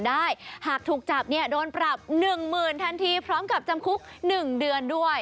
ได้หากถูกจับเนี่ยโดนปรับหนึ่งหมื่นทันทีพร้อมกับจำคุกหนึ่งเดือนด้วย